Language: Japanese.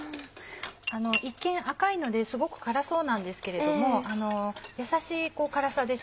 一見赤いのですごく辛そうなんですけれどもやさしい辛さです。